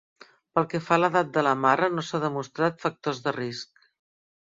Pel que fa a l'edat de la mare no s'ha demostrat factors de risc.